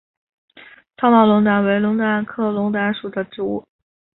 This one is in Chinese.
糙毛龙胆为龙胆科龙胆属的植物。